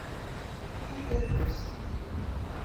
Fket-iyi-d adlis-nni.